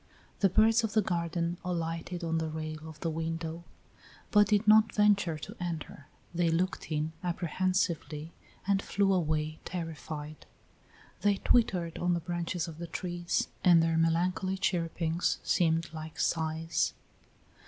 The birds of the garden alighted on the rail of the window, but did not venture to enter; they looked in apprehensively and flew away terrified; they twittered on the branches of the trees, and their melancholy chirpings seemed like sighs.